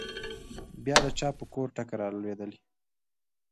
بيا د چا په کور ټکه رالوېدلې؟